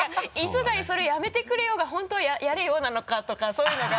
「磯貝それやめてくれよ」が本当は「やれよ」なのかとかそういうのが。